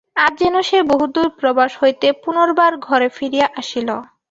আজ যেন সে বহুদূর প্রবাস হইতে পুনর্বার ঘরে ফিরিয়া আসিল।